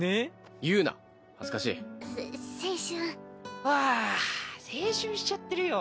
うわ青春しちゃってるよ